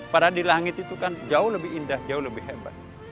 padahal di langit itu kan jauh lebih indah jauh lebih hebat